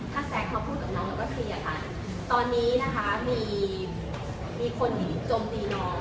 ถ้าแซกเขาพูดกับน้องเราก็เสียค่ะตอนนี้นะคะมีมีคนจมตีน้อง